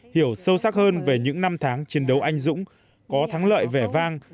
hiểu sâu sắc hơn về những năm tháng chiến đấu anh dũng có thắng lợi vẻ vang